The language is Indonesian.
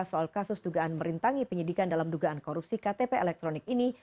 soal kasus dugaan merintangi penyidikan dalam dugaan korupsi ktp elektronik ini